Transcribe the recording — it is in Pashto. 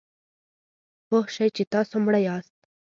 پوه شئ چې تاسو مړه یاست .